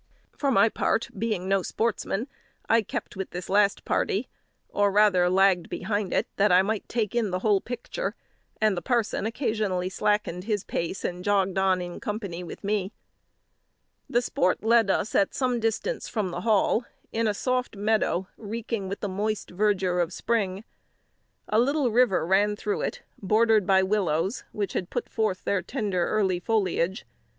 For my part, being no sportsman, I kept with this last party, or rather lagged behind, that I might take in the whole picture; and the parson occasionally slackened his pace and jogged on in company with me. The sport led us at some distance from the Hall, in a soft meadow reeking with the moist verdure of spring. A little river ran through it, bordered by willows, which had put forth their tender early foliage.